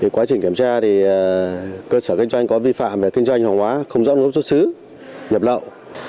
quá trình kiểm tra thì cơ sở kinh doanh có vi phạm về kinh doanh hàng hóa không rõ nguồn gốc xuất xứ nhập lậu